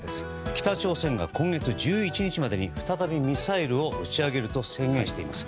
北朝鮮が今月１１日までに再びミサイルを打ち上げると宣言しています。